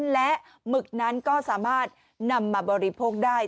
และหมึกนั้นก็สามารถนำมาบริโภคได้